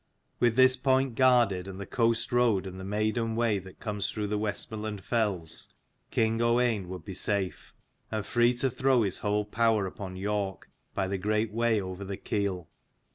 With this point guarded, and the coast road, and the Maiden way that comes through the Westmorland fells, king Owain would be safe, and free to throw his whole power upon York by the great way over the Keel.